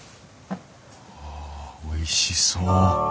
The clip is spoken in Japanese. わあおいしそう。